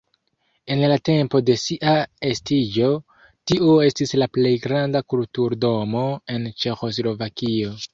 En la tempo de sia estiĝo tio estis la plej granda kulturdomo en Ĉeĥoslovakio.